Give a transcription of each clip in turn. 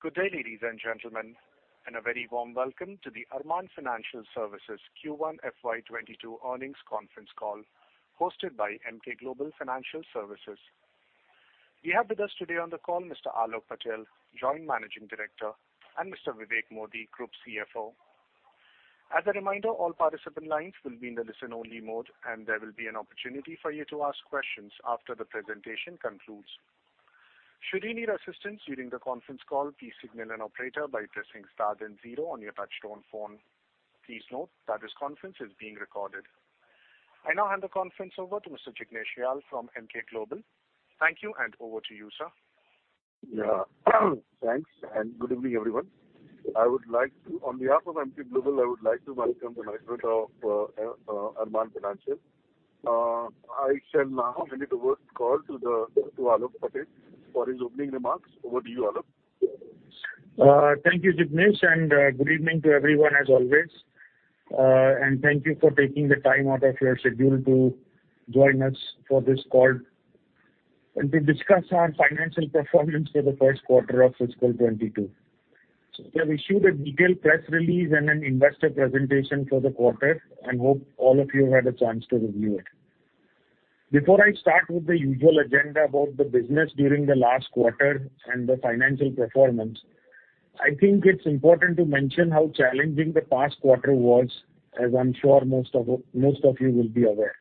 Good day, ladies and gentlemen, and a very warm welcome to the Arman Financial Services Q1 FY 2022 earnings conference call hosted by Emkay Global Financial Services. We have with us today on the call Mr. Aalok Patel, Joint Managing Director, and Mr. Vivek Modi, Group CFO. As a reminder, all participant lines will be in the listen-only mode, and there will be an opportunity for you to ask questions after the presentation concludes. Should you need assistance during the conference call, please signal an operator by pressing star then zero on your touchtone phone. Please note that this conference is being recorded. I now hand the conference over to Mr. Jignesh Shah from Emkay Global. Thank you. Over to you, sir. Yeah. Thanks, and good evening, everyone. On behalf of MS Global, I would like to welcome the management of Arman Financial. I shall now hand over the call to Aalok Patel for his opening remarks. Over to you, Aalok. Thank you, Jignesh, and good evening to everyone as always. Thank you for taking the time out of your schedule to join us for this call and to discuss our financial performance for the first quarter of fiscal 2022. We have issued a detailed press release and an investor presentation for the quarter, and hope all of you had a chance to review it. Before I start with the usual agenda about the business during the last quarter and the financial performance, I think it's important to mention how challenging the past quarter was, as I'm sure most of you will be aware.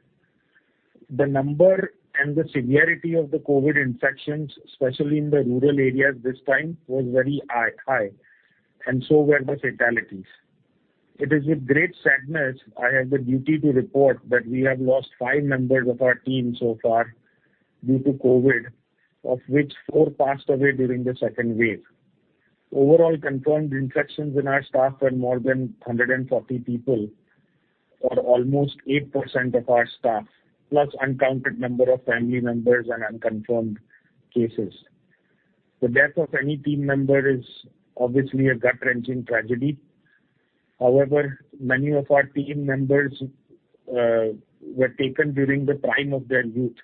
The number and the severity of the COVID infections, especially in the rural areas this time, was very high, and so were the fatalities. It is with great sadness I have the duty to report that we have lost five members of our team so far due to COVID, of which four passed away during the second wave. Overall confirmed infections in our staff were more than 140 people, or almost 8% of our staff, plus uncounted number of family members and unconfirmed cases. The death of any team member is obviously a gut-wrenching tragedy. However, many of our team members were taken during the prime of their youth,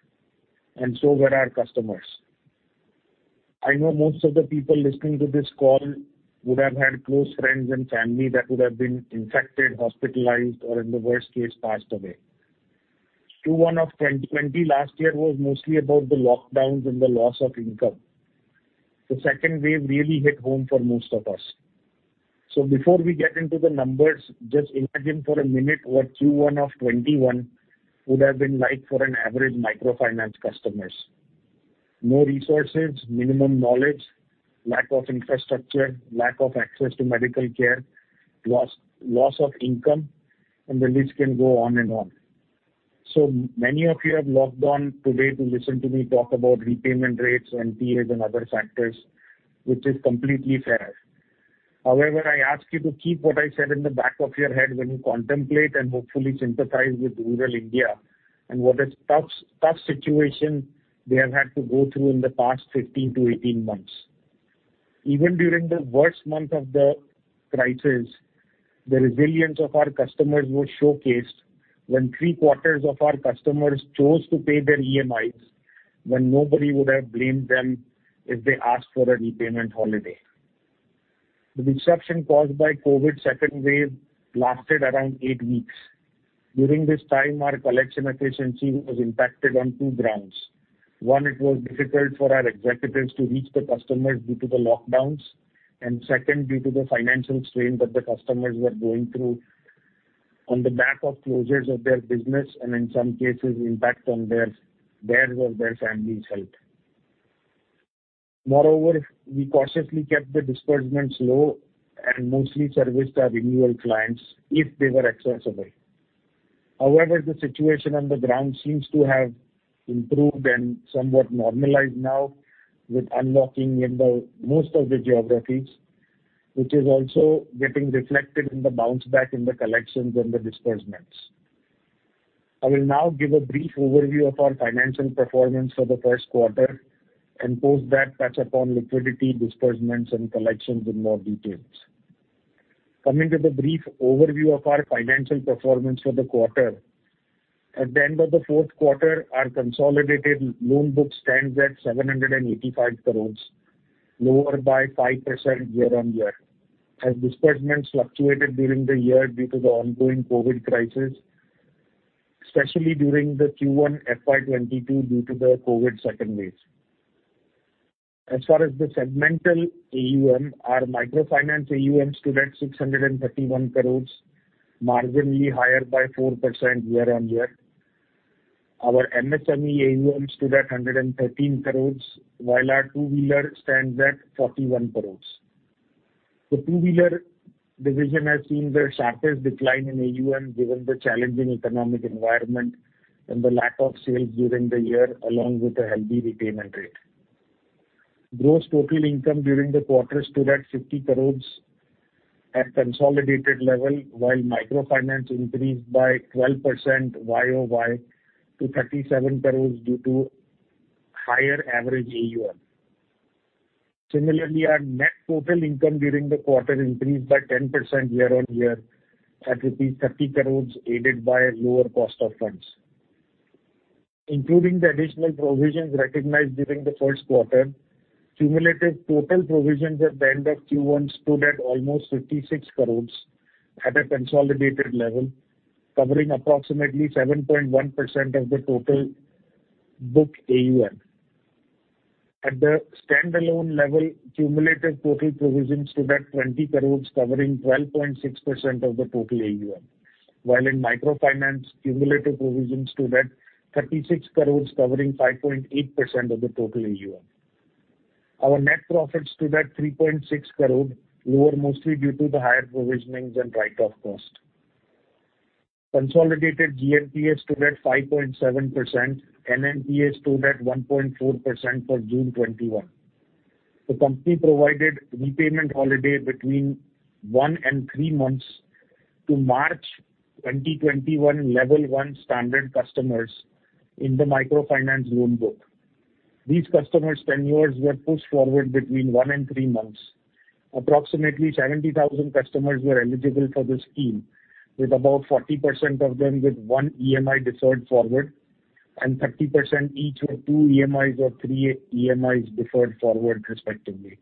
and so were our customers. I know most of the people listening to this call would have had close friends and family that would have been infected, hospitalized, or in the worst case, passed away. Q1 of 2020 last year was mostly about the lockdowns and the loss of income. The second wave really hit home for most of us. Before we get into the numbers, just imagine for a minute what Q1 of 2021 would have been like for an average microfinance customers. No resources, minimum knowledge, lack of infrastructure, lack of access to medical care, loss of income, and the list can go on and on. Many of you have logged on today to listen to me talk about repayment rates, NPAs, and other factors, which is completely fair. However, I ask you to keep what I said in the back of your head when you contemplate and hopefully sympathize with rural India and what a tough situation they have had to go through in the past 15-18 months. Even during the worst month of the crisis, the resilience of our customers was showcased when three-quarters of our customers chose to pay their EMIs, when nobody would have blamed them if they asked for a repayment holiday. The disruption caused by COVID second wave lasted around eight weeks. During this time, our collection efficiency was impacted on two grounds. One, it was difficult for our executives to reach the customers due to the lockdowns, and second, due to the financial strain that the customers were going through on the back of closures of their business and in some cases, impact on their or their family's health. Moreover, we cautiously kept the disbursements low and mostly serviced our renewal clients if they were accessible. However, the situation on the ground seems to have improved and somewhat normalized now with unlocking in most of the geographies, which is also getting reflected in the bounce back in the collections and the disbursements. I will now give a brief overview of our financial performance for the first quarter, and post that touch upon liquidity, disbursements, and collections in more details. Coming to the brief overview of our financial performance for the quarter. At the end of the fourth quarter, our consolidated loan book stands at 785 crores, lower by 5% year-on-year, as disbursements fluctuated during the year due to the ongoing COVID crisis, especially during the Q1 FY 2022 due to the COVID second wave. As far as the segmental AUM, our microfinance AUM stood at 631 crores, marginally higher by 4% year-on-year. Our MSME AUM stood at 113 crores, while our two-wheeler stands at 41 crores. The two-wheeler division has seen the sharpest decline in AUM given the challenging economic environment and the lack of sales during the year, along with a healthy repayment rate. Gross total income during the quarter stood at 50 crores at consolidated level, while microfinance increased by 12% year-on-year to 37 crores due to higher average AUM. Similarly, our net total income during the quarter increased by 10% year-on-year at rupees 30 crores, aided by lower cost of funds. Including the additional provisions recognized during the first quarter, cumulative total provisions at the end of Q1 stood at almost 56 crores at a consolidated level, covering approximately 7.1% of the total book AUM. At the standalone level, cumulative total provisions stood at 20 crores, covering 12.6% of the total AUM. While in microfinance, cumulative provisions stood at 36 crore, covering 5.8% of the total AUM. Our net profit stood at 3.6 crore, lower mostly due to the higher provisionings and write-off cost. Consolidated GNPA stood at 5.7%, NNPA stood at 1.4% for June 2021. The company provided repayment holiday between one and three months to March 2021, level 1 standard customers in the microfinance loan book. These customer tenures were pushed forward between one and three months. Approximately 70,000 customers were eligible for this scheme, with about 40% of them with one EMI deferred forward and 30% each with two EMIs or three EMIs deferred forward, respectively.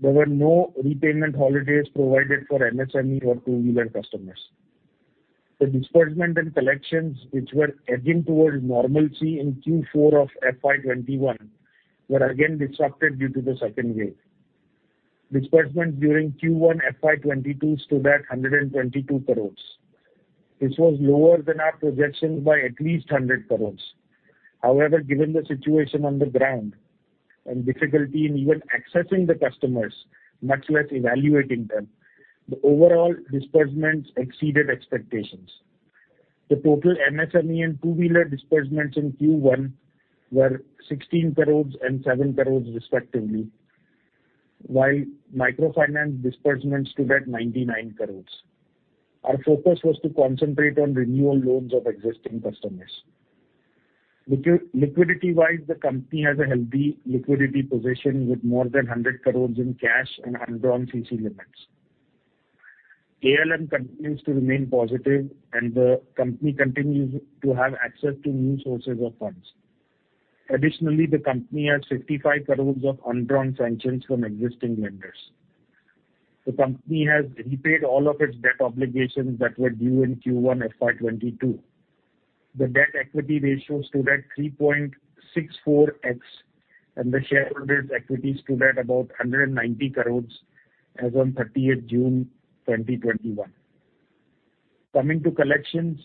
There were no repayment holidays provided for MSME or two-wheeler customers. The disbursement and collections, which were edging towards normalcy in Q4 of FY 2021, were again disrupted due to the second wave. Disbursement during Q1 FY 2022 stood at 122 crore. This was lower than our projections by at least 100 crores. However, given the situation on the ground and difficulty in even accessing the customers, much less evaluating them, the overall disbursements exceeded expectations. The total MSME and two-wheeler disbursements in Q1 were 16 crores and 7 crores respectively, while microfinance disbursement stood at 99 crores. Our focus was to concentrate on renewal loans of existing customers. Liquidity-wise, the company has a healthy liquidity position with more than 100 crores in cash and undrawn CC limits. ALM continues to remain positive, and the company continues to have access to new sources of funds. Additionally, the company has 55 crores of undrawn sanctions from existing lenders. The company has repaid all of its debt obligations that were due in Q1 FY 2022. The debt equity ratio stood at 3.64x, and the shareholders' equity stood at about 190 crore as on 30th June 2021. Coming to collections,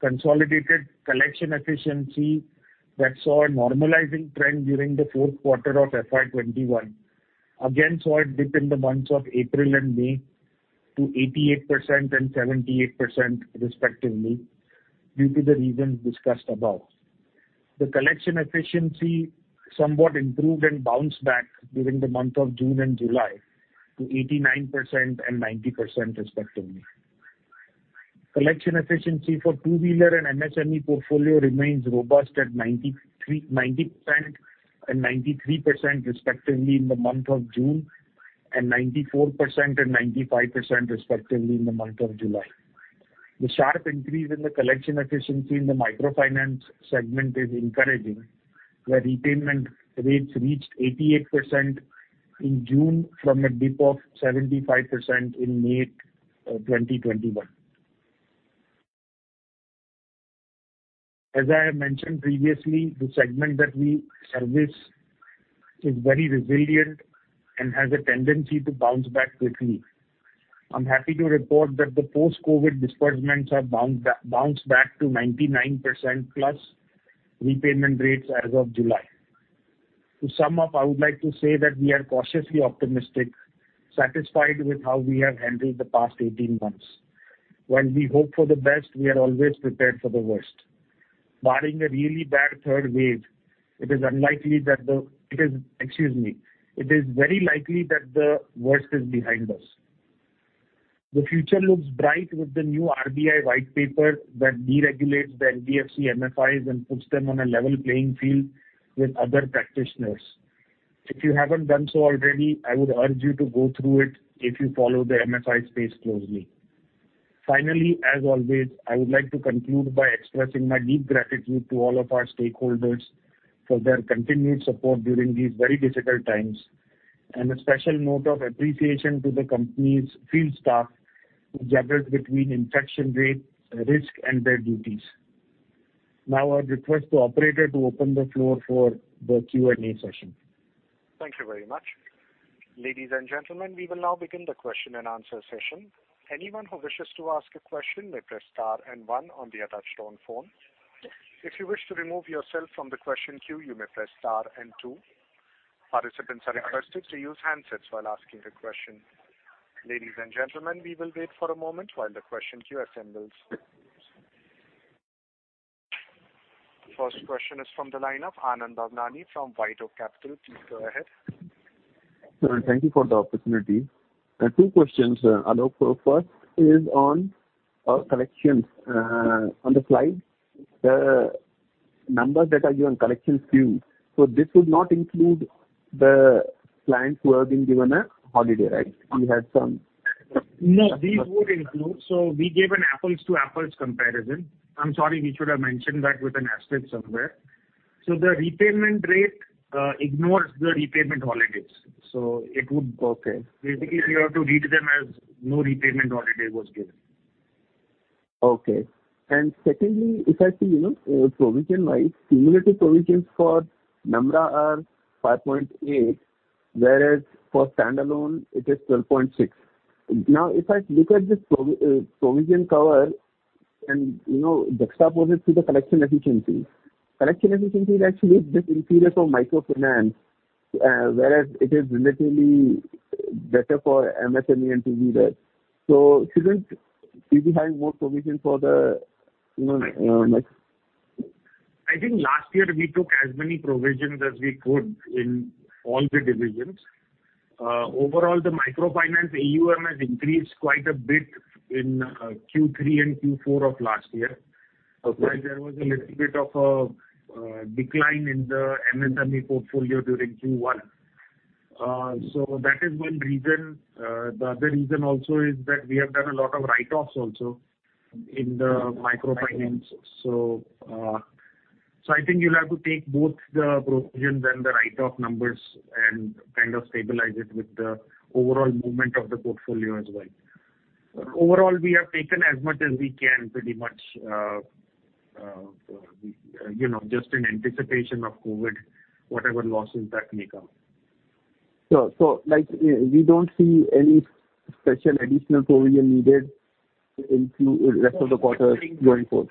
consolidated collection efficiency that saw a normalizing trend during the fourth quarter of FY 2021 again saw a dip in the months of April and May to 88% and 78% respectively, due to the reasons discussed above. The collection efficiency somewhat improved and bounced back during the month of June and July to 89% and 90% respectively. Collection efficiency for two-wheeler and MSME portfolio remains robust at 90% and 93% respectively in the month of June, and 94% and 95% respectively in the month of July. The sharp increase in the collection efficiency in the Microfinance segment is encouraging, where repayment rates reached 88% in June from a dip of 75% in May 2021. As I have mentioned previously, the segment that we service is very resilient and has a tendency to bounce back quickly. I'm happy to report that the post-COVID disbursements have bounced back to 99%+ repayment rates as of July. To sum up, I would like to say that we are cautiously optimistic, satisfied with how we have handled the past 18 months. While we hope for the best, we are always prepared for the worst. Barring a really bad third wave, Excuse me. It is very likely that the worst is behind us. The future looks bright with the new RBI white paper that deregulates the NBFC MFIs and puts them on a level playing field with other practitioners. If you haven't done so already, I would urge you to go through it if you follow the MFI space closely. Finally, as always, I would like to conclude by expressing my deep gratitude to all of our stakeholders for their continued support during these very difficult times, and a special note of appreciation to the company's field staff, who juggle between infection rates, risk, and their duties. Now I request the operator to open the floor for the Q&A session. Thank you very much. Ladies and gentlemen, we will now begin the question and answer session. Anyone who wishes to ask a question may press star and one on the touchtone phone. If you wish to remove yourself from the question queue, you may press star and two. Participants are requested to use handsets while asking the question. Ladies and gentlemen, we will wait for a moment while the question queue assembles. First question is from the line of Anand Bhavnani from White Oak Capital. Please go ahead. Thank you for the opportunity. Two questions, Aalok. First is on collections. On the slide, the numbers that are given, collection queue. This would not include the clients who have been given a holiday, right? No, these would include. We gave an apples to apples comparison. I'm sorry, we should have mentioned that with an asterisk somewhere. The repayment rate ignores the repayment holidays. Okay. You have to read them as no repayment holiday was given. Okay. Secondly, if I see provision-wise, cumulative provisions for Namra are 5.8, whereas for standalone it is 12.6. If I look at this provision cover and juxtapose it to the collection efficiency. Collection efficiency is actually a bit inferior for microfinance, whereas it is relatively better for MSME and two-wheeler. Shouldn't you be having more provision for the micro? I think last year we took as many provisions as we could in all the divisions. Overall, the microfinance AUM has increased quite a bit in Q3 and Q4 of last year. Okay. Whereas there was a little bit of a decline in the MSME portfolio during Q1. That is one reason. The other reason also is that we have done a lot of write-offs also in the microfinance. I think you'll have to take both the provisions and the write-off numbers and kind of stabilize it with the overall movement of the portfolio as well. Overall, we have taken as much as we can pretty much, just in anticipation of COVID, whatever losses that may come. You don't see any special additional provision needed in rest of the quarter going forward?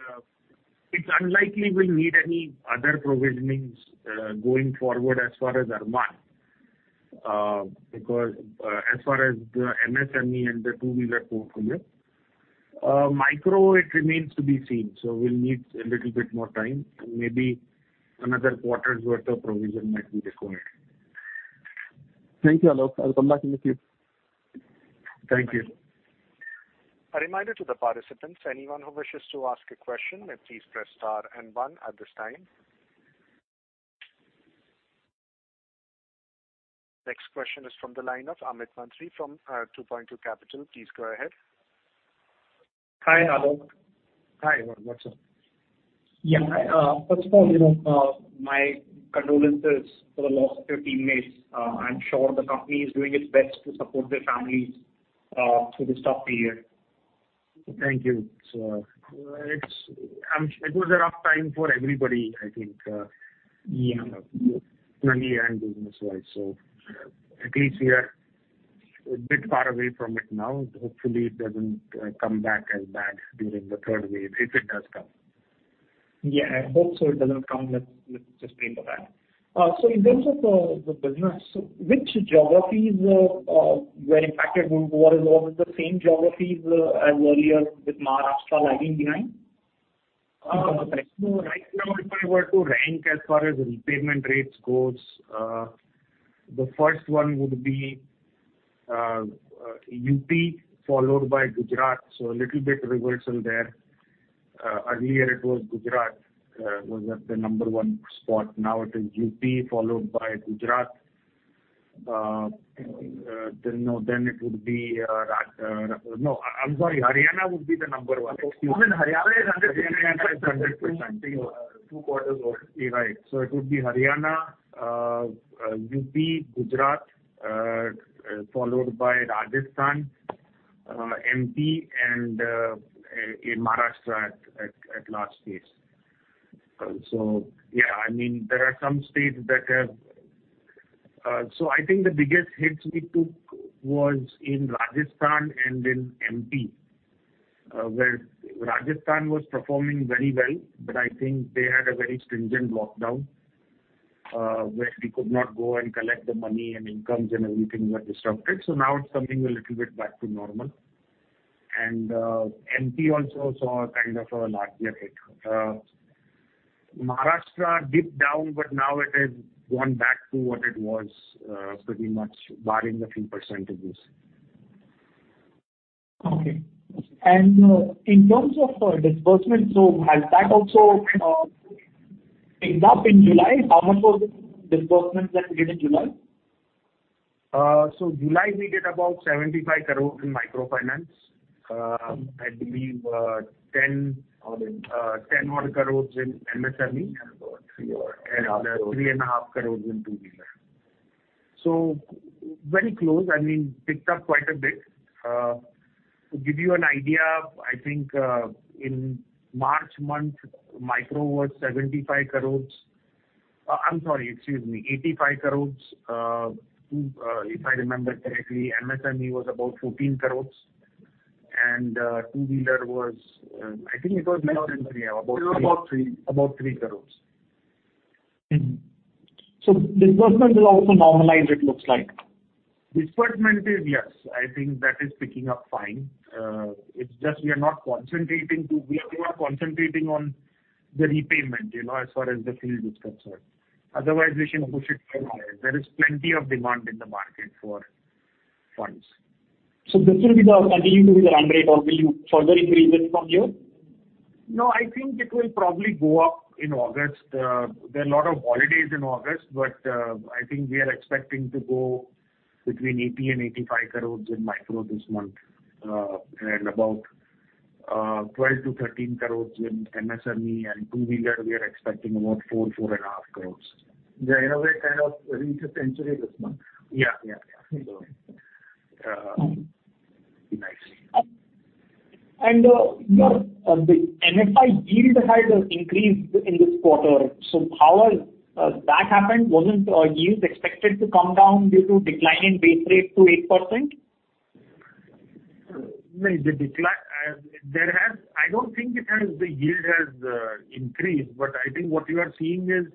It's unlikely we'll need any other provisions going forward as far as Arman, because as far as the MSME and the two-wheeler portfolio. Micro, it remains to be seen, so we'll need a little bit more time and maybe another quarter's worth of provision might be required. Thank you, Aalok. I'll come back to you. Thank you. A reminder to the participants, anyone who wishes to ask a question, then please press star and one at this time. Next question is from the line of Amit Mantri from 2Point2 Capital. Please go ahead. Hi, Aalok. Hi. What's up? Yeah. First of all, my condolences for the loss of your teammates. I'm sure the company is doing its best to support their families through this tough period. Thank you, sir. It was a rough time for everybody, I think. Yeah. Family and business-wise. At least we are a bit far away from it now. Hopefully, it doesn't come back as bad during the third wave, if it does come. Yeah, I hope so it doesn't come. Let's just pray for that. In terms of the business, which geographies were impacted more? Is it all the same geographies as earlier with Maharashtra lagging behind? Right now, if I were to rank as far as repayment rates goes, the first one would be UP, followed by Gujarat. A little bit reversal there. Earlier it was Gujarat was at the number one spot. Now it is UP, followed by Gujarat. It would be Rajasthan. No, I am sorry, Haryana would be the number one. I mean, Haryana is 100%. Haryana is 100%. Two quarters ago. You're right. It would be Haryana, U.P., Gujarat, followed by Rajasthan, M.P. and Maharashtra at last place. I think the biggest hits we took was in Rajasthan and in M.P., where Rajasthan was performing very well, I think they had a very stringent lockdown, where we could not go and collect the money and incomes and everything was disrupted. Now it's coming a little bit back to normal. M.P. also saw kind of a larger hit. Maharashtra dipped down, now it has gone back to what it was pretty much barring the few percentages. Okay. In terms of disbursement, so has that also picked up in July? How much was the disbursement that you did in July? July we did about 75 crores in microfinance. I believe, 10 odd crores in MSME. 3.5 crores 3.5 crores in two-wheeler. Very close, picked up quite a bit. To give you an idea, I think, in March month, micro was 75 crores. I'm sorry, excuse me, 85 crores. If I remember correctly, MSME was about 14 crores and two-wheeler was. It was about three. about 3 crores. Disbursement will also normalize it looks like. Disbursement is, yes. I think that is picking up fine. It's just we are now concentrating on the repayment as far as the field is concerned. Otherwise, we can push it further. There is plenty of demand in the market for funds. This will be the continuing to be the run rate or will you further increase it from here? No, I think it will probably go up in August. There are a lot of holidays in August. I think we are expecting to go between 80 crores and 85 crores in Micro this month, and about 12 crores-13 crores in MSME and two-wheeler, we are expecting about 4 crores, INR 4.5 crores. In a way, kind of reach a century this month. Yeah. Your MFI yield has increased in this quarter. How has that happened? Wasn't yield expected to come down due to decline in base rate to 8%? No. I don't think the yield has increased, but I think what you are seeing is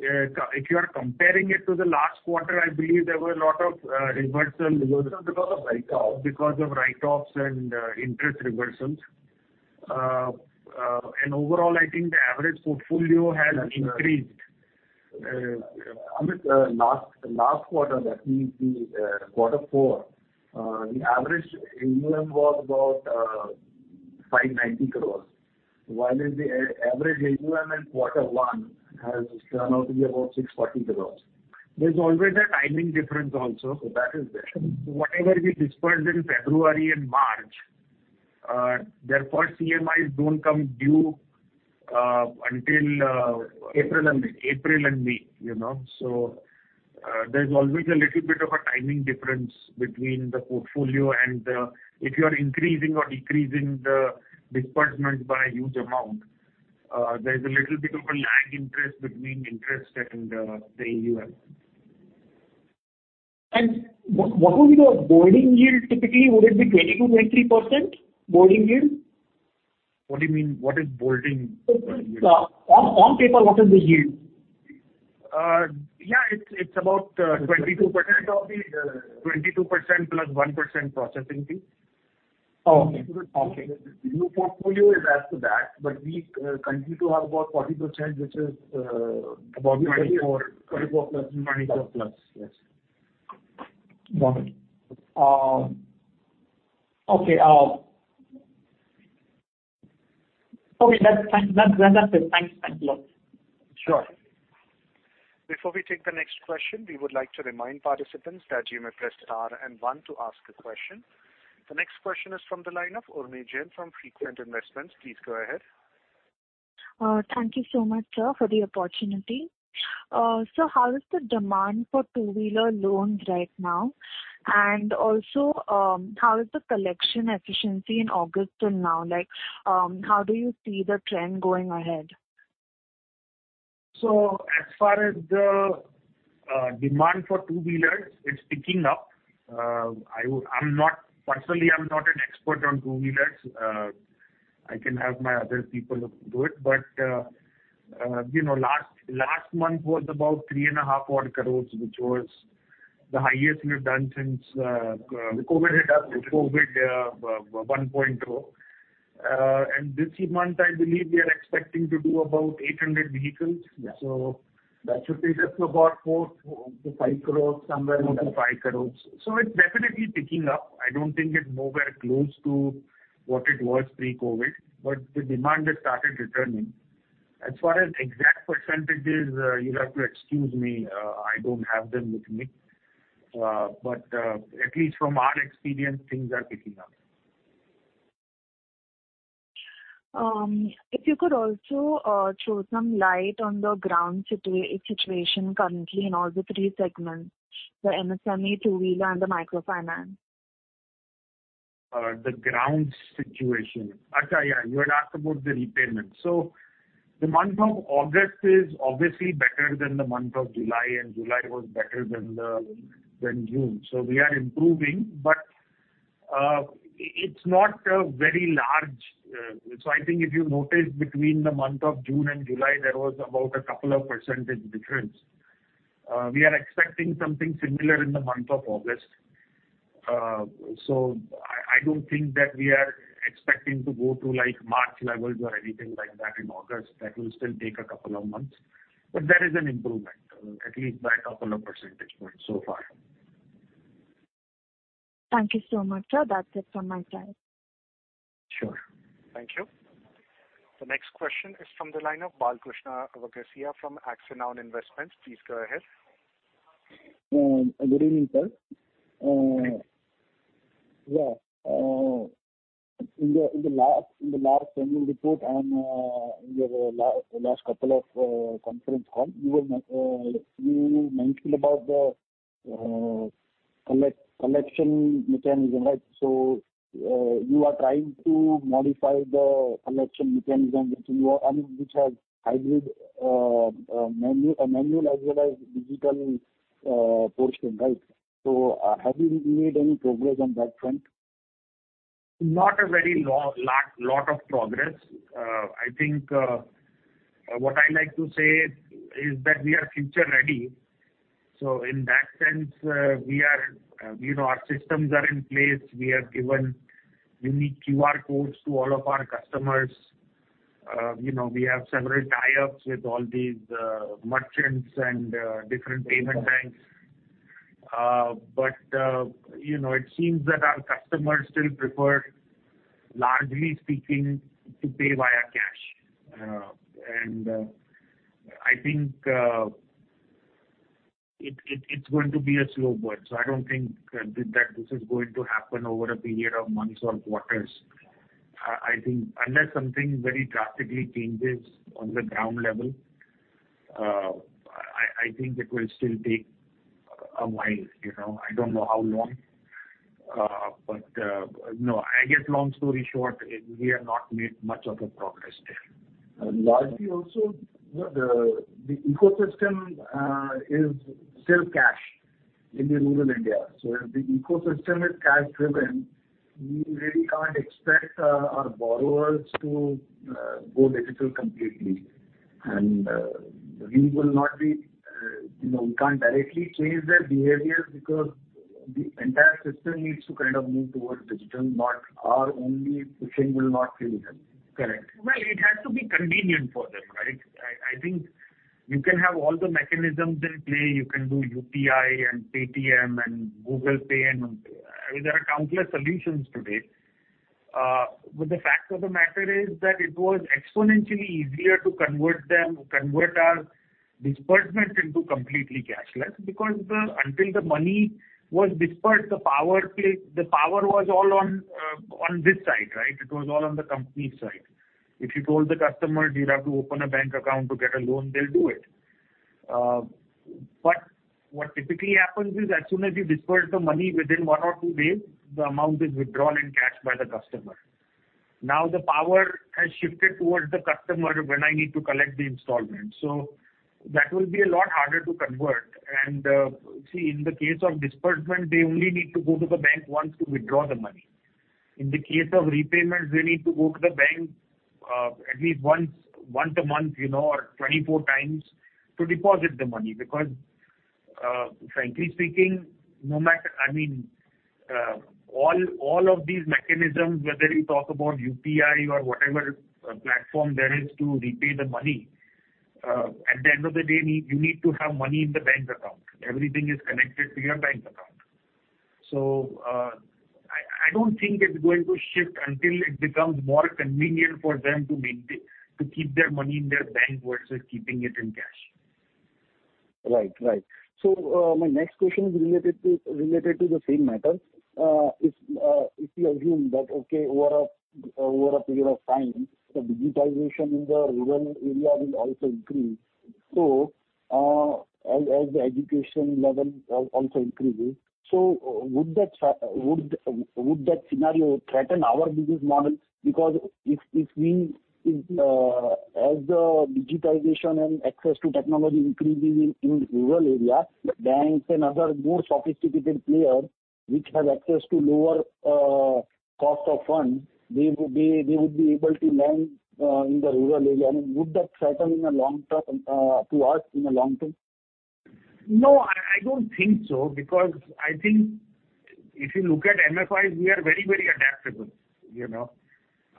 if you are comparing it to the last quarter, I believe there were a lot of reversals. Because of write-offs. because of write-offs and interest reversals. Overall, I think the average portfolio has increased. Aalok, last quarter that means the quarter four, the average AUM was about 590 crores, while the average AUM in quarter one has turned out to be about 640 crores. There's always a timing difference also, so that is there. Whatever we disbursed in February and March, their first EMIs don't come due until. April and May. April and May. There's always a little bit of a timing difference between the portfolio and if you are increasing or decreasing the disbursement by a huge amount, there's a little bit of a lag interest between interest and the AUM. What will be the boarding yield typically? Would it be 22%-23% boarding yield? What do you mean? What is boarding yield? On paper, what is the yield? Yeah, it's about 22% plus 1% processing fee. Okay. New portfolio is as to that, but we continue to have about 40%, which is about 24. 24+. Yes. Got it. Okay. That's it. Thanks a lot. Sure. Before we take the next question, we would like to remind participants that you may press star and one to ask a question. The next question is from the line of [Urmi Jain] from Frequent Investment. Please go ahead. Thank you so much, sir, for the opportunity. Sir, how is the demand for two-wheeler loans right now? How is the collection efficiency in August till now? How do you see the trend going ahead? As far as the demand for two-wheelers, it's picking up. Personally, I'm not an expert on two-wheelers. I can have my other people look into it. Last month was about 3.5 odd crores, which was the highest we've done since- The COVID hit us. -the COVID 1.0. This month, I believe we are expecting to do about 800 vehicles. Yeah. That should be just about 4-5 crores, somewhere close to 5 crores. It's definitely picking up. I don't think it's nowhere close to what it was pre-COVID, but the demand has started returning. As far as exact percentages you'll have to excuse me, I don't have them with me. At least from our experience, things are picking up. If you could also throw some light on the ground situation currently in all the three segments, the MSME, two-wheeler and the microfinance. The ground situation. You had asked about the repayment. The month of August is obviously better than the month of July, and July was better than June. We are improving, but it's not very large. I think if you notice between the month of June and July, there was about a couple of percentage difference. We are expecting something similar in the month of August. I don't think that we are expecting to go to March levels or anything like that in August. That will still take a couple of months. There is an improvement, at least by a couple percentage points so far. Thank you so much, sir. That's it from my side. Sure. Thank you. The next question is from the line of Balkrushna Vaghasia from Axanoun Investment. Please go ahead. Good evening, sir. In the last annual report and your last couple of conference call, you were mentioning about the collection mechanism. You are trying to modify the collection mechanism which has hybrid manual as well as digital portion. Have you made any progress on that front? Not a very lot of progress. I think what I like to say is that we are future ready. In that sense our systems are in place. We have given unique QR codes to all of our customers. We have several tie-ups with all these merchants and different payment banks. It seems that our customers still prefer, largely speaking, to pay via cash. I think it's going to be a slow burn. I don't think that this is going to happen over a period of months or quarters. I think unless something very drastically changes on the ground level, I think it will still take a while. I don't know how long. No, I guess long story short, we have not made much of a progress there. Largely also, the ecosystem is still cash in the rural India. If the ecosystem is cash-driven, we really can't expect our borrowers to go digital completely. We can't directly change their behaviors because the entire system needs to kind of move towards digital, not our only pushing will not change them. Correct. Well, it has to be convenient for them, right? I think you can have all the mechanisms in play. You can do UPI and Paytm and Google Pay and there are countless solutions today. The fact of the matter is that it was exponentially easier to convert our disbursement into completely cashless because until the money was disbursed, the power was all on this side, right? It was all on the company's side. If you told the customer you'd have to open a bank account to get a loan, they'll do it. What typically happens is as soon as you disburse the money, within one or two days, the amount is withdrawn in cash by the customer. Now, the power has shifted towards the customer when I need to collect the installment. That will be a lot harder to convert. See, in the case of disbursement, they only need to go to the bank once to withdraw the money. In the case of repayments, they need to go to the bank at least once a month or 24 times to deposit the money. Because frankly speaking, all of these mechanisms, whether you talk about UPI or whatever platform there is to repay the money, at the end of the day, you need to have money in the bank account. Everything is connected to your bank account. I don't think it's going to shift until it becomes more convenient for them to keep their money in their bank versus keeping it in cash. Right. My next question is related to the same matter. If we assume that okay, over a period of time, the digitization in the rural area will also increase, as the education level also increases. Would that scenario threaten our business model? Because as the digitization and access to technology increases in rural area, banks and other more sophisticated players which have access to lower cost of funds, they would be able to lend in the rural area. I mean, would that threaten to us in the long term? No, I don't think so because I think if you look at MFIs, we are very adaptable.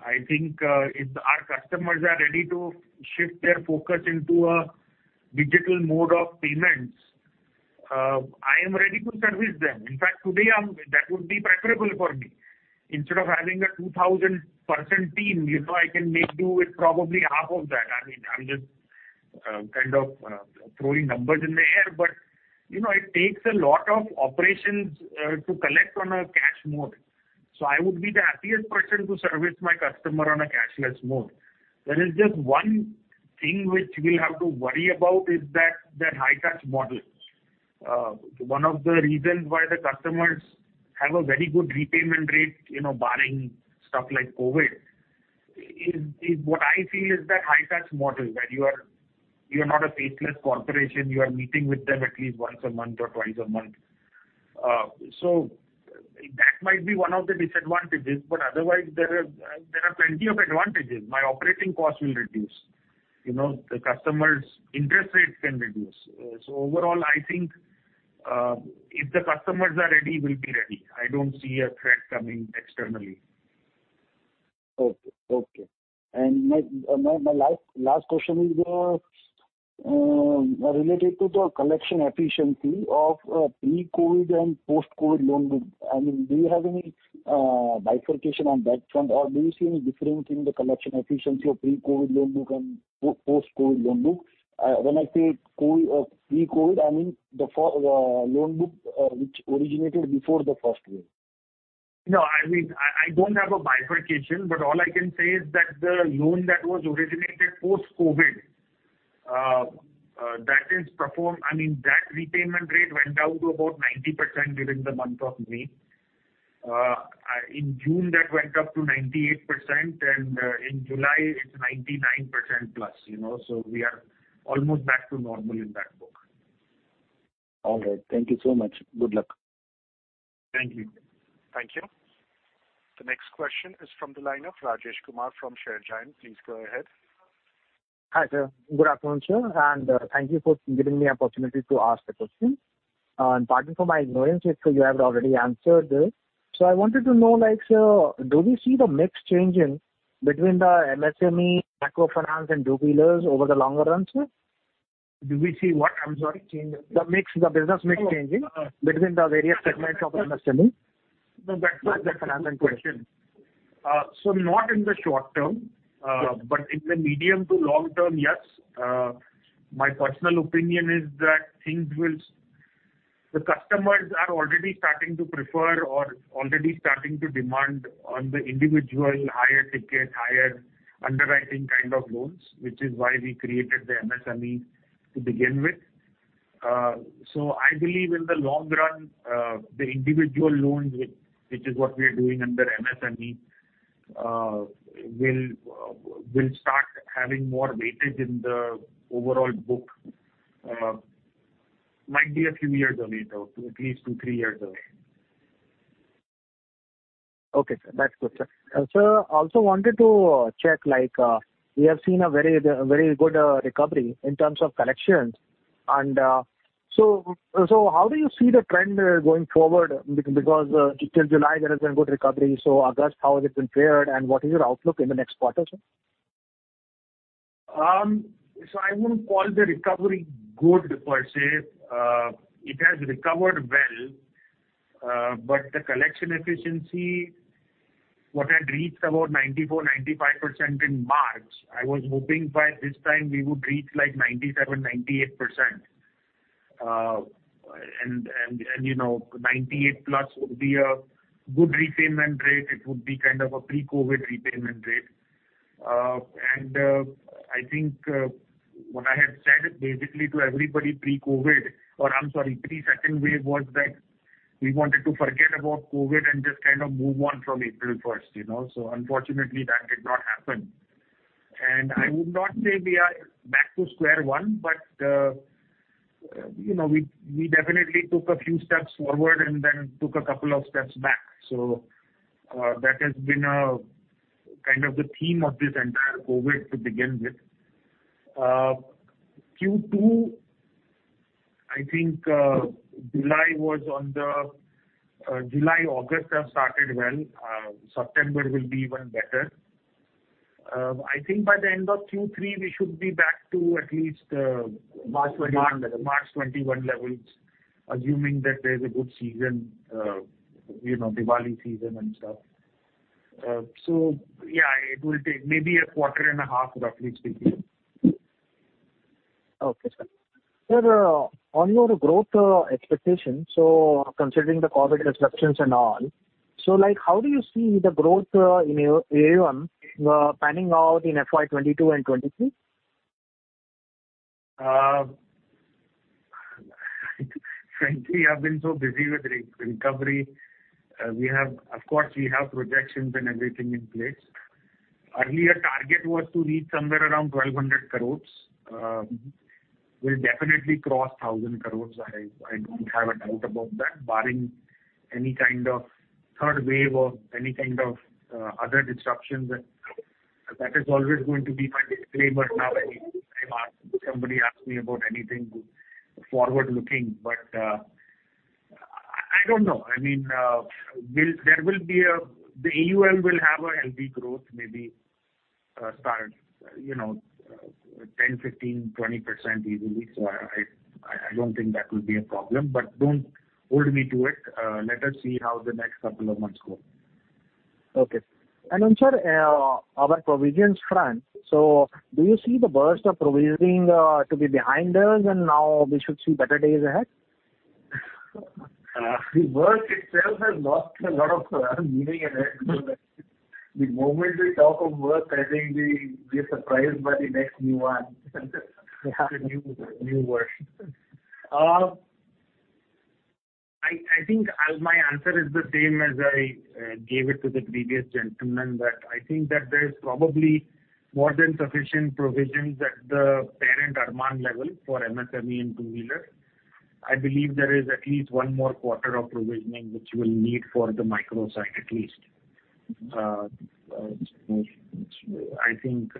I think if our customers are ready to shift their focus into a digital mode of payments, I am ready to service them. In fact, today, that would be preferable for me. Instead of having a 2,000-person team, I can make do with probably half of that. I mean, I'm just kind of throwing numbers in the air, but it takes a lot of operations to collect on a cash mode. I would be the happiest person to service my customer on a cashless mode. There is just one thing which we'll have to worry about is that high-touch model. One of the reasons why the customers have a very good repayment rate barring stuff like COVID is what I feel is that high-touch model where you are not a faceless corporation. You are meeting with them at least once a month or twice a month. That might be one of the disadvantages, but otherwise, there are plenty of advantages. My operating cost will reduce. The customers' interest rates can reduce. Overall, I think if the customers are ready, we'll be ready. I don't see a threat coming externally. Okay. My last question is related to the collection efficiency of pre-COVID and post-COVID loan book. I mean, do you have any bifurcation on that front, or do you see any difference in the collection efficiency of pre-COVID loan book and post-COVID loan book? When I say pre-COVID, I mean the loan book which originated before the first wave. I mean, I don't have a bifurcation, but all I can say is that the loan that was originated post-COVID, that repayment rate went down to about 90% during the month of May. In June, that went up to 98%, and in July, it's 99% plus. We are almost back to normal in that book. All right. Thank you so much. Good luck. Thank you. Thank you. The next question is from the line of Rajesh Kumar from Share Giant. Please go ahead. Hi, sir. Good afternoon, sir, and thank you for giving me opportunity to ask the question. Pardon for my ignorance if you have already answered this. I wanted to know, like, sir, do we see the mix changing between the MSME microfinance and two-wheelers over the longer run, sir? Do we see what? I'm sorry. The business mix changing between the various segments of MSME. That's an excellent question. Not in the short term. Sure. In the medium to long term, yes. My personal opinion is that the customers are already starting to prefer or already starting to demand on the individual higher ticket, higher underwriting kind of loans, which is why we created the MSME to begin with. I believe in the long run, the individual loans, which is what we are doing under MSME, will start having more weightage in the overall book. Might be a few years away, though, at least two, three years away. Okay, sir. That's good, sir. Sir, also wanted to check, we have seen a very good recovery in terms of collections. How do you see the trend going forward? Because till July there has been good recovery. August, how has it been fared, and what is your outlook in the next quarter, sir? I wouldn't call the recovery good per se. It has recovered well. The collection efficiency, what had reached about 94%, 95% in March, I was hoping by this time we would reach like 97%, 98%. 98-plus would be a good repayment rate. It would be kind of a pre-COVID repayment rate. I think what I had said basically to everybody pre-COVID, or I'm sorry, pre-second wave, was that we wanted to forget about COVID and just move on from April 1st. Unfortunately, that did not happen. I would not say we are back to square one, but we definitely took a few steps forward and then took a couple of steps back. That has been kind of the theme of this entire COVID to begin with. Q2, I think July, August have started well. September will be even better. I think by the end of Q3, we should be back to at least- March 2021 levels. March 2021 levels, assuming that there's a good season, Diwali season and stuff. Yeah, it will take maybe a quarter and a half, roughly speaking. Okay, sir. Sir, on your growth expectations, considering the COVID disruptions and all, how do you see the growth in AUM panning out in FY 2022 and FY 2023? Frankly, I've been so busy with recovery. Of course, we have projections and everything in place. Earlier target was to reach somewhere around 1,200 crores. We'll definitely cross 1,000 crores. I don't have a doubt about that, barring any kind of third wave or any kind of other disruptions. That is always going to be my disclaimer now any time somebody asks me about anything forward-looking. I don't know. The AUM will have a healthy growth, maybe start 10%, 15%, 20% easily. I don't think that will be a problem, but don't hold me to it. Let us see how the next couple of months go. Okay. Sir, our provisions front. Do you see the burst of provisioning to be behind us and now we should see better days ahead? The burst itself has lost a lot of meaning in it. The moment we talk of burst, I think we're surprised by the next new one. Yeah. The new burst. I think my answer is the same as I gave it to the previous gentleman, that I think that there's probably more than sufficient provisions at the parent Arman level for MSME and two-wheeler. I believe there is at least one more quarter of provisioning which we'll need for the micro side, at least. I think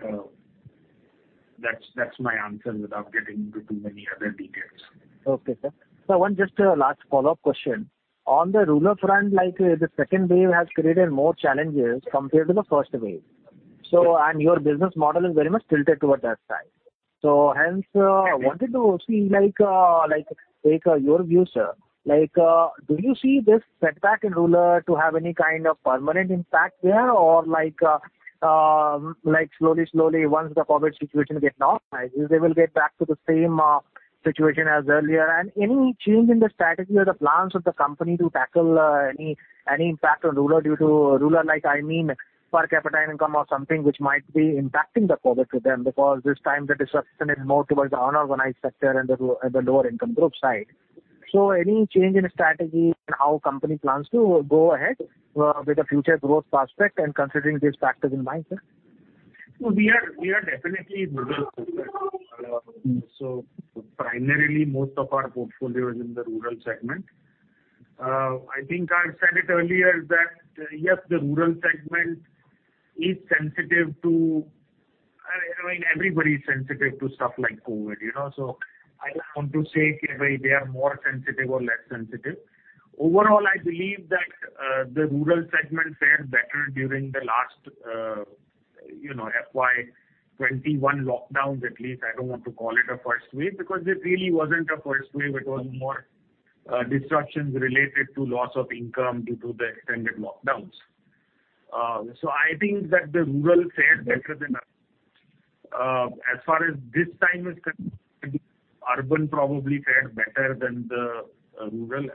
that's my answer without getting into too many other details. Okay, sir. Sir, one just last follow-up question. On the rural front, the second wave has created more challenges compared to the first wave. Your business model is very much tilted toward that side. Hence, wanted to see your view, sir. Do you see this setback in rural to have any kind of permanent impact there? Slowly, once the COVID situation gets normalized, they will get back to the same situation as earlier? Any change in the strategy or the plans of the company to tackle any impact on rural due to rural like, I mean, per capita income or something which might be impacting the COVID to them, because this time the disruption is more towards the unorganized sector and the lower-income group side. Any change in strategy and how company plans to go ahead with the future growth prospect and considering these factors in mind, sir? We are definitely rural focused. Primarily, most of our portfolio is in the rural segment. I think I said it earlier that, yes, the rural segment is sensitive to, I mean, everybody is sensitive to stuff like COVID. I don't want to say if they are more sensitive or less sensitive. Overall, I believe that the rural segment fared better during the last FY 2021 lockdowns, at least. I don't want to call it a first wave because it really wasn't a first wave. It was more disruptions related to loss of income due to the extended lockdowns. I think that the rural fared better than urban. As far as this time is concerned, I think urban probably fared better than the rural.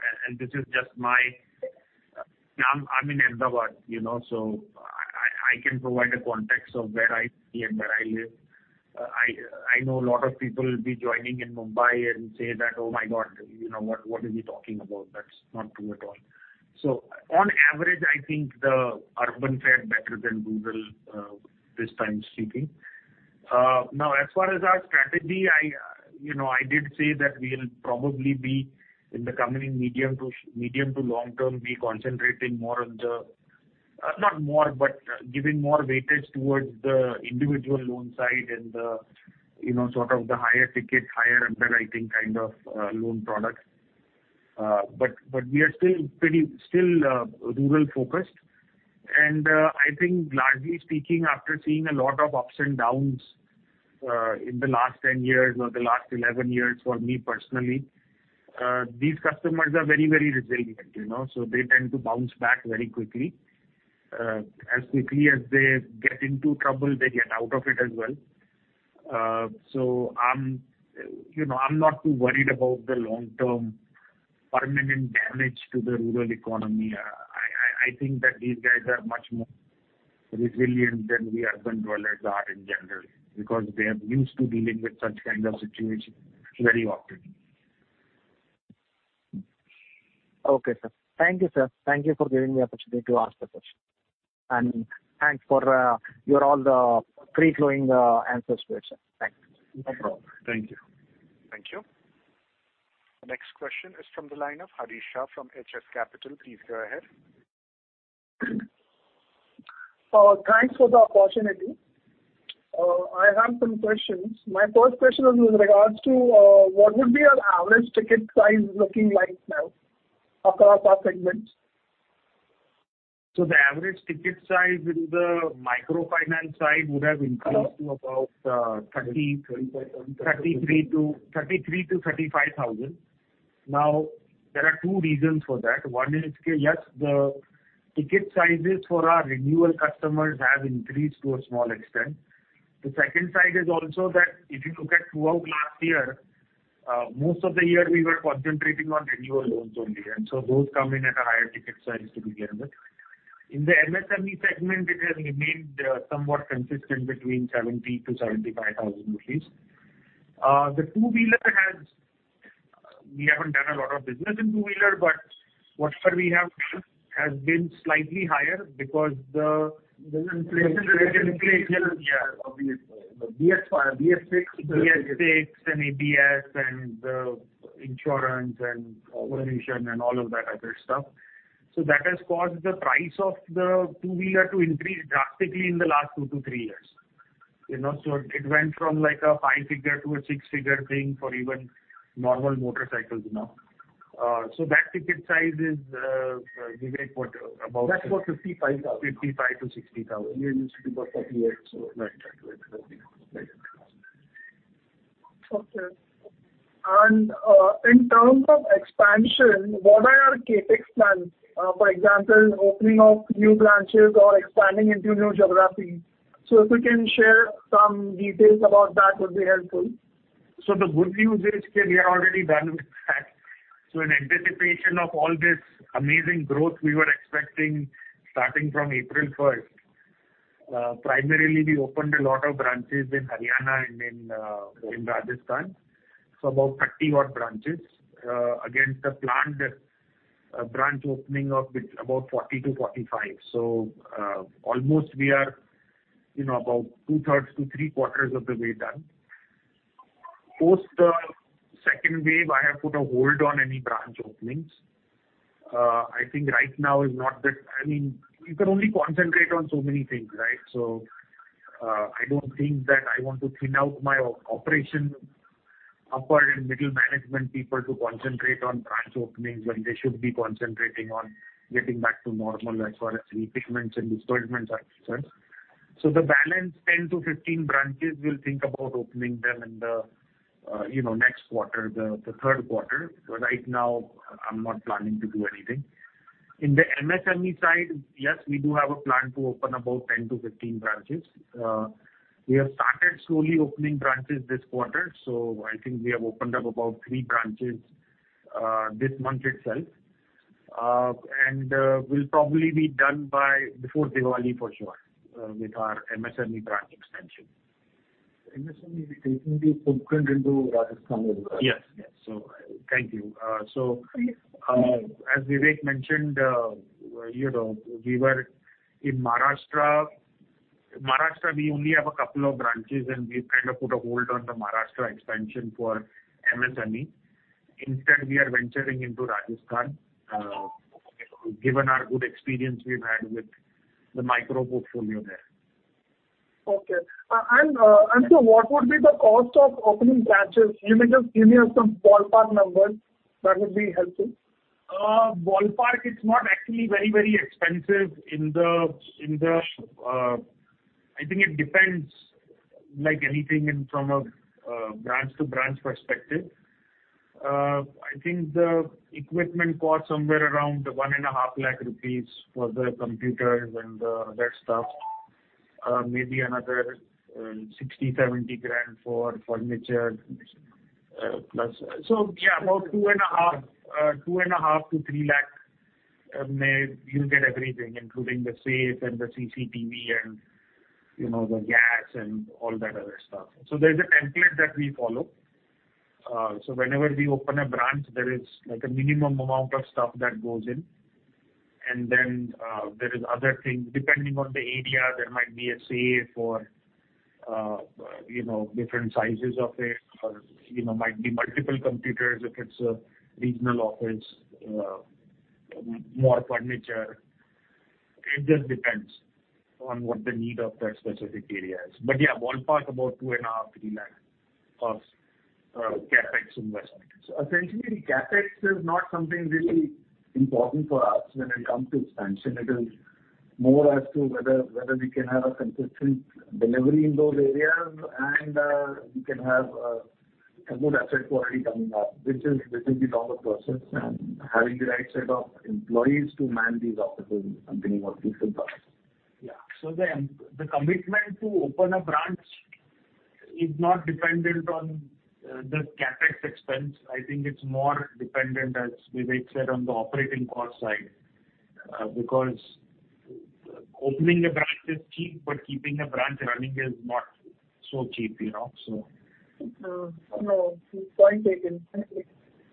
I'm in Ahmedabad. I can provide a context of where I see and where I live. I know a lot of people will be joining in Mumbai and say that, "Oh my God, what is he talking about? That's not true at all." On average, I think the urban fared better than rural this time speaking. As far as our strategy, I did say that we'll probably be in the coming medium to long-term, be concentrating more on the Not more, but giving more weightage towards the individual loan side and the sort of the higher ticket, higher underwriting kind of loan product. We are still rural-focused. I think largely speaking, after seeing a lot of ups and downs in the last 10 years or the last 11 years for me personally, these customers are very resilient. They tend to bounce back very quickly. As quickly as they get into trouble, they get out of it as well. I'm not too worried about the long-term permanent damage to the rural economy. I think that these guys are much more resilient than we urban dwellers are in general because they are used to dealing with such kind of situation very often. Okay, sir. Thank you, sir. Thank you for giving me the opportunity to ask the question. Thanks for your all the free-flowing answers to it, sir. Thanks. No problem. Thank you. Thank you. The next question is from the line of Harish Shah from HS Capital. Please go ahead. Thanks for the opportunity. I have some questions. My first question is with regards to what would be your average ticket size looking like now across all segments? The average ticket size in the microfinance side would have increased to about 30- 35,000. 33,000-35,000. Now, there are two reasons for that. One is, yes, the ticket sizes for our renewal customers have increased to a small extent. The second side is also that if you look at throughout last year, most of the year we were concentrating on renewal loans only. Those come in at a higher ticket size to begin with. In the MSME segment, it has remained somewhat consistent between 70,000-75,000 rupees. The two-wheeler, we haven't done a lot of business in two-wheeler, but what we have done has been slightly higher. The inflation. Yeah. Obviously. The BS VI- BS VI and ABS and the insurance and all of that other stuff. That has caused the price of the two-wheeler to increase drastically in the last 2-3 years. It went from a five-figure to a six-figure thing for even normal motorcycles now. That ticket size is, Vivek, what? That's for 55,000. 55,000-60,000. It used to be about 48. Right. Okay. In terms of expansion, what are our CapEx plans? For example, opening of new branches or expanding into new geographies. If you can share some details about that would be helpful. The good news is we are already done with that. In anticipation of all this amazing growth we were expecting starting from April 1st, primarily we opened a lot of branches in Haryana and in Rajasthan. About 30-odd branches against the planned branch opening of about 40-45. Almost we are about two-thirds to three-quarters of the way done. Post the second wave, I have put a hold on any branch openings. I think right now is not the time. I mean, you can only concentrate on so many things, right? I don't think that I want to thin out my operational upper and middle management people to concentrate on branch openings when they should be concentrating on getting back to normal as far as repayments and disbursements are concerned. The balance 10-15 branches, we'll think about opening them in the next quarter, the third quarter. Right now, I'm not planning to do anything. In the MSME side, yes, we do have a plan to open about 10-15 branches. We have started slowly opening branches this quarter. I think we have opened up about three branches this month itself. We'll probably be done before Diwali for sure with our MSME branch expansion. MSME, we are taking the footprint into Rajasthan as well. Yes. Thank you. As Vivek mentioned, in Maharashtra, we only have a couple of branches, and we've kind of put a hold on the Maharashtra expansion for MSME. Instead, we are venturing into Rajasthan. Given our good experience we've had with the micro portfolio there. Okay. What would be the cost of opening branches? You may just give me some ballpark numbers. That would be helpful. Ballpark, it's not actually very expensive. I think it depends, like anything from a branch to branch perspective. I think the equipment costs somewhere around 1.5 lakh rupees for the computers and the rest stuff. Maybe another 60,000-70,000 for furniture. Yeah, about 2.5-3 lakh, you'll get everything, including the safe and the CCTV and the gas and all that other stuff. There's a template that we follow. Whenever we open a branch, there is a minimum amount of stuff that goes in. There is other things. Depending on the area, there might be a safe or different sizes of it, or might be multiple computers if it's a regional office, more furniture. It just depends on what the need of that specific area is. Yeah, ballpark about 2.5, 3 lakh of CapEx investment. Essentially, the CapEx is not something really important for us when it comes to expansion. It is more as to whether we can have a consistent delivery in those areas and we can have a good asset quality coming up, which is the longer process, and having the right set of employees to man these offices is something more crucial for us. Yeah. The commitment to open a branch is not dependent on the CapEx expense. I think it's more dependent, as Vivek said, on the operating cost side. Because opening a branch is cheap, but keeping a branch running is not so cheap. No, point taken.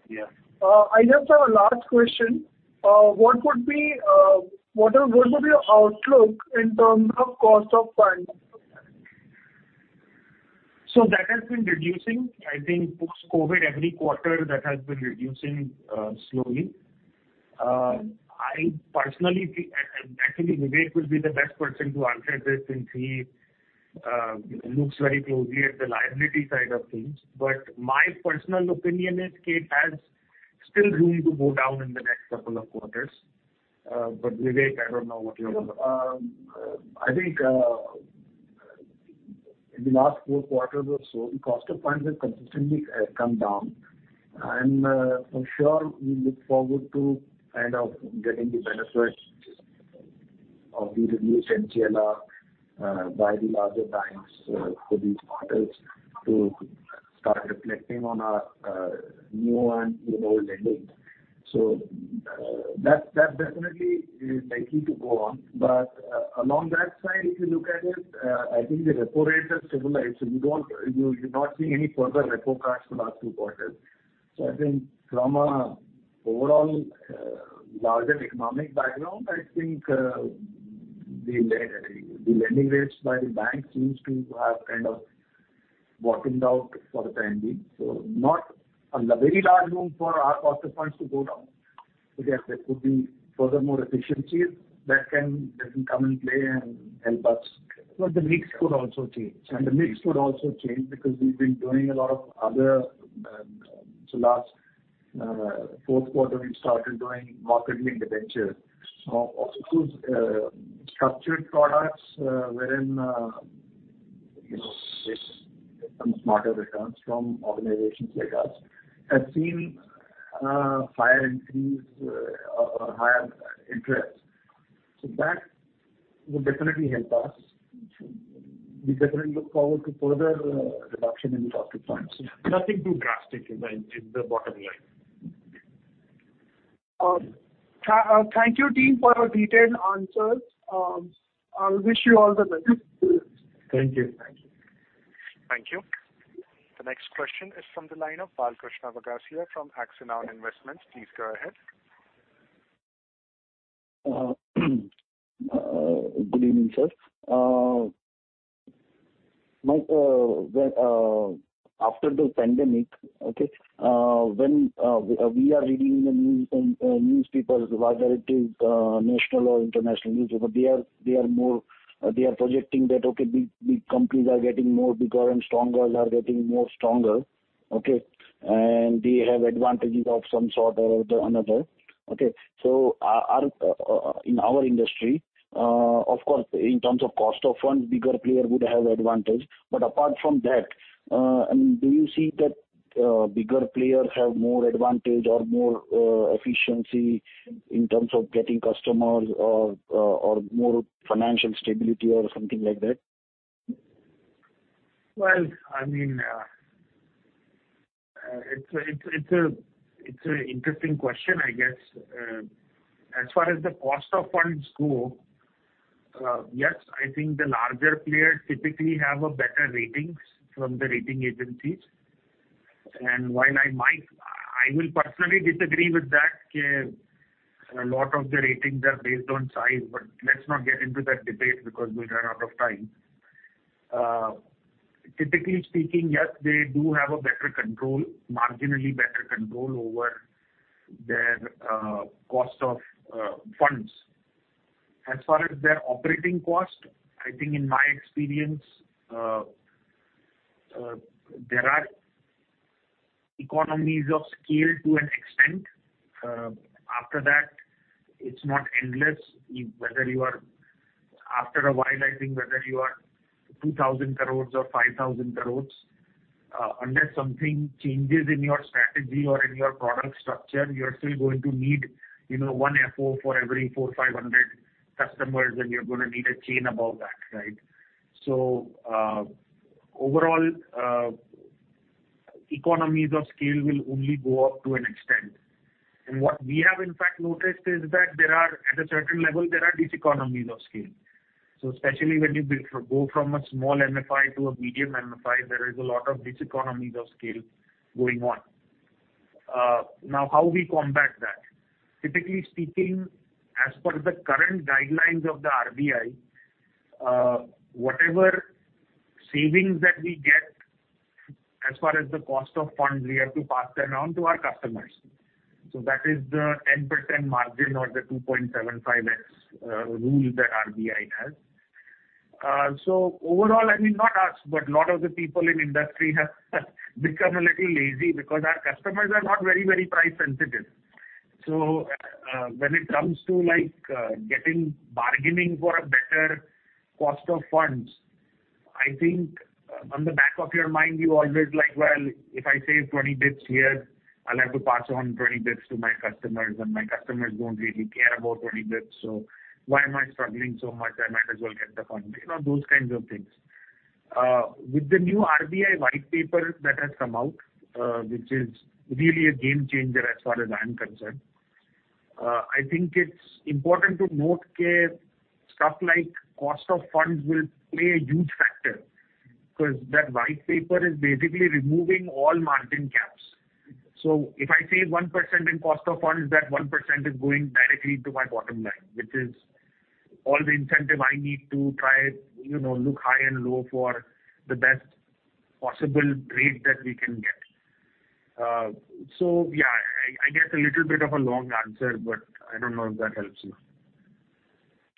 Yeah. I just have a last question. What would be your outlook in terms of cost of funds? That has been reducing. I think post-COVID, every quarter that has been reducing slowly. Actually, Vivek would be the best person to answer this since he looks very closely at the liability side of things. My personal opinion is it has still room to go down in the next two quarters. Vivek, I don't know what your-. I think in the last four quarters or so, the cost of funds has consistently come down, and for sure, we look forward to kind of getting the benefit of the reduced MCLR by the larger banks for these quarters to start reflecting on our new and renewal lending. That definitely is likely to go on. Along that side, if you look at it, I think the repo rate has stabilized. You're not seeing any further repo cuts for the last two quarters. I think from an overall larger economic background, I think the lending rates by the banks seems to have kind of bottomed out for the time being. Not a very large room for our cost of funds to go down. There could be furthermore efficiencies that can come in play and help us. The mix could also change. The mix could also change because last fourth quarter, we started doing market-linked debentures, structured products wherein some smarter returns from organizations like us have seen higher entries or higher interest. That will definitely help us. Because we definitely look forward to further reduction in the cost of funds. Nothing too drastic in the bottom line. Thank you, team, for your detailed answers. I'll wish you all the best. Thank you. Thank you. Thank you. The next question is from the line of Balkrushna Vaghasia from Axanoun Investment. Please go ahead. Good evening, sir. After the pandemic, when we are reading in newspapers, whether it is national or international newspaper, they are projecting that big companies are getting more bigger and stronger are getting more stronger. They have advantages of some sort or another. In our industry, of course, in terms of cost of funds, bigger player would have advantage. Apart from that, do you see that bigger players have more advantage or more efficiency in terms of getting customers or more financial stability or something like that? Well, it's an interesting question, I guess. As far as the cost of funds go, yes, I think the larger players typically have a better ratings from the rating agencies. While I might, I will personally disagree with that, a lot of the ratings are based on size, but let's not get into that debate because we'll run out of time. Typically speaking, yes, they do have a better control, marginally better control over their cost of funds. As far as their operating cost, I think in my experience, there are economies of scale to an extent. After that, it's not endless. After a while, I think whether you are 2,000 crores or 5,000 crores, unless something changes in your strategy or in your product structure, you're still going to need one FO for every 400 or 500 customers, and you're going to need a chain above that. Right? Overall, economies of scale will only go up to an extent. What we have in fact noticed is that, at a certain level, there are diseconomies of scale. Especially when you go from a small MFI to a medium MFI, there is a lot of diseconomies of scale going on. Now, how we combat that? Typically speaking, as per the current guidelines of the RBI, whatever savings that we get as far as the cost of funds, we have to pass them on to our customers. That is the 10% margin or the 2.75x rule that RBI has. Overall, I mean, not us, but lot of the people in industry have become a little lazy because our customers are not very price sensitive. When it comes to bargaining for a better cost of funds, I think on the back of your mind, you always like, "Well, if I save 20 basis points here, I'll have to pass on 20 basis points to my customers, and my customers don't really care about 20 basis points, so why am I struggling so much? I might as well get the funding." Those kinds of things. With the new RBI white paper that has come out, which is really a game changer as far as I'm concerned, I think it's important to note that stuff like cost of funds will play a huge factor, because that white paper is basically removing all margin caps. If I save 1% in cost of funds, that 1% is going directly to my bottom line, which is all the incentive I need to try look high and low for the best possible rate that we can get. Yeah, I guess a little bit of a long answer, but I don't know if that helps you.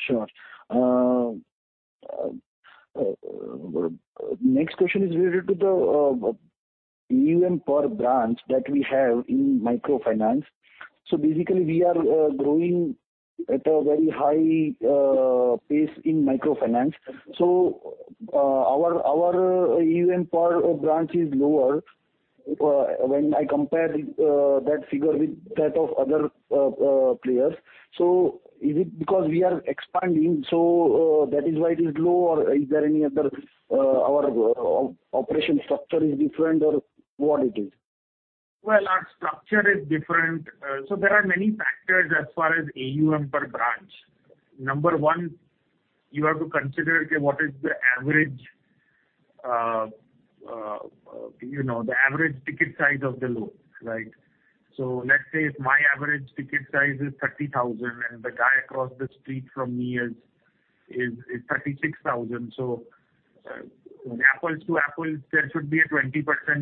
Sure. Next question is related to the AUM per branch that we have in microfinance. Basically, we are growing at a very high pace in microfinance. Our AUM per branch is lower when I compare that figure with that of other players. Is it because we are expanding, so that is why it is low? Or is our operation structure different or what it is? Well, our structure is different. There are many factors as far as AUM per branch. Number 1, you have to consider what is the average ticket size of the loan. Right? Let's say if my average ticket size is 30,000 and the guy across the street from me is 36,000. Apples to apples, there should be a 20%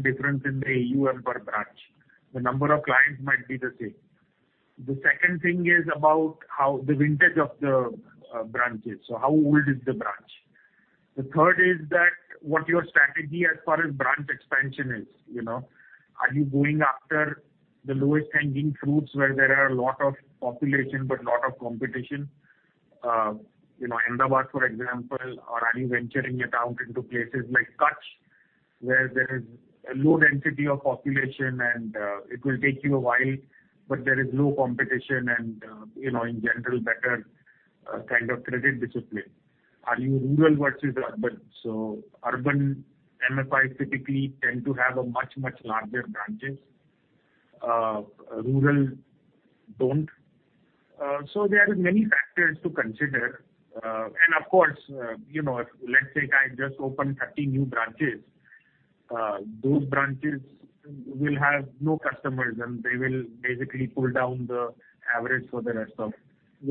difference in the AUM per branch. The number of clients might be the same. The second thing is about how the vintage of the branch is, so how old is the branch. The third is that what your strategy as far as branch expansion is. Are you going after the lowest hanging fruits where there are a lot of population but lot of competition, Ahmedabad, for example, or are you venturing out into places like Kachchh, where there is a low density of population and it will take you a while, but there is low competition and, in general, better kind of credit discipline. Are you rural versus urban? Urban MFIs typically tend to have a much larger branches. Rural don't. There is many factors to consider. Of course, let's say I just opened 30 new branches. Those branches will have no customers, and they will basically pull down the average for the rest of it.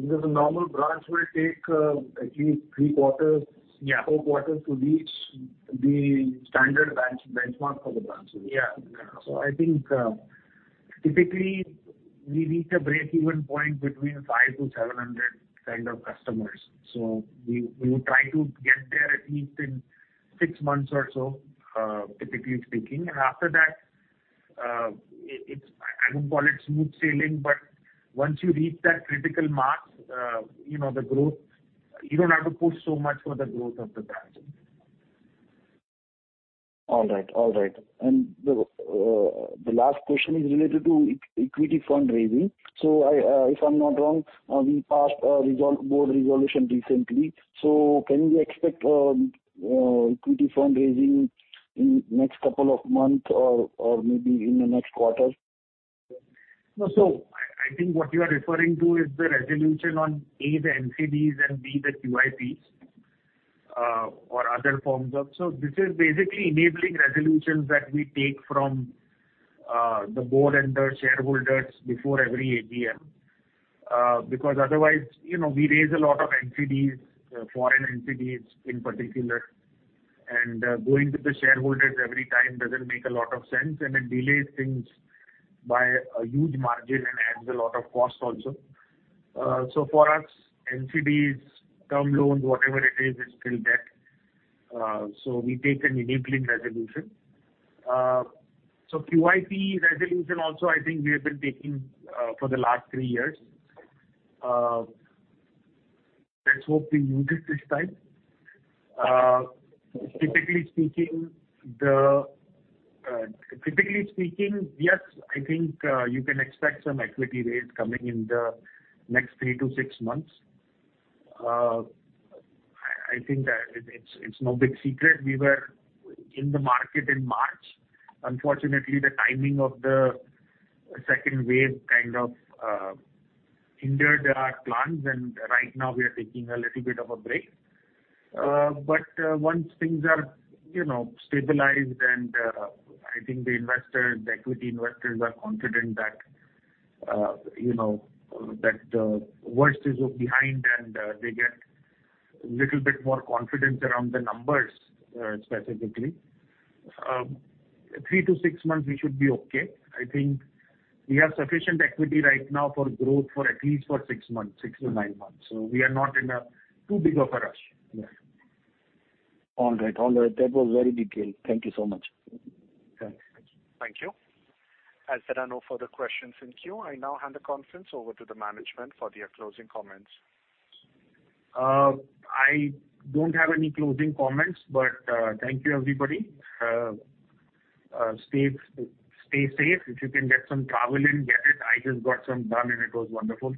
A normal branch will take at least three quarters- Yeah. -four quarters to reach the standard benchmark for the branches. Yeah. Okay. I think, typically, we reach a breakeven point between 500-700 kind of customers. We will try to get there at least in six months or so, typically speaking. After that, I won't call it smooth sailing, but once you reach that critical mass, the growth, you don't have to push so much for the growth of the branch. All right. The last question is related to equity fundraising. If I'm not wrong, we passed a board resolution recently. Can we expect equity fundraising in next couple of months or maybe in the next quarter? I think what you are referring to is the resolution on A, the NCDs and B, the QIPs. This is basically enabling resolutions that we take from the board and the shareholders before every AGM. Otherwise, we raise a lot of NCDs, foreign NCDs in particular, and going to the shareholders every time doesn't make a lot of sense, and it delays things by a huge margin and adds a lot of cost also. For us, NCDs, term loans, whatever it is still debt. We take an inaugural resolution. QIP resolution also, I think we have been taking for the last three years. Let's hope we use it this time. Typically speaking, yes, I think you can expect some equity raise coming in the next 3-6 months. I think that it's no big secret. We were in the market in March. Unfortunately, the timing of the second wave kind of hindered our plans. Right now we are taking a little bit of a break. Once things are stabilized and I think the equity investors are confident that the worst is behind and they get little bit more confidence around the numbers, specifically, 3-6 months, we should be okay. I think we have sufficient equity right now for growth for at least for six months, 6-9 months. We are not in a too big of a rush. All right. That was very detailed. Thank you so much. Thanks. Thank you. As there are no further questions in queue, I now hand the conference over to the management for their closing comments. I don't have any closing comments, but thank you, everybody. Stay safe. If you can get some travel in, get it. I just got some done, and it was wonderful.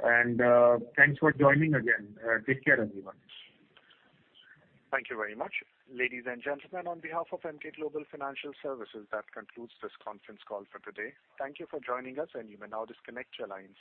Thanks for joining again. Take care, everyone. Thank you very much. Ladies and gentlemen, on behalf of Emkay Global Financial Services, that concludes this conference call for today. Thank you for joining us, and you may now disconnect your lines.